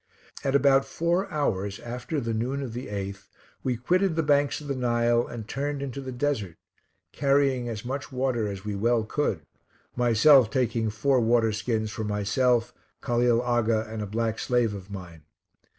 At about four hours after the noon of the 8th, we quitted the banks of the Nile, and turned into the desert, carrying as much water as we well could, myself taking four water skins for myself, Khalil Aga, and a black slave of mine.